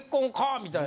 みたいな。